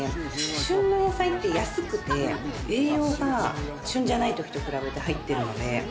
旬の野菜って、安くて栄養が旬じゃないときと比べて入ってるので。